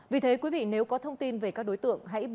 vì thế quý vị nếu có thông tin về các đối tượng hãy báo